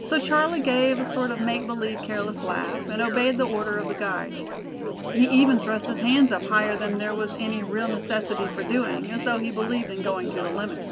So Charlie gave a sort of make believe careless laugh, and obeyed the order of the guide. He even thrust his hands up higher than there was any real necessity for doing, as though he believed in going to the limit.